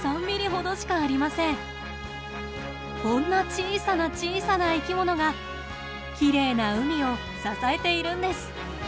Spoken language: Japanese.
こんな小さな小さな生き物がきれいな海を支えているんです。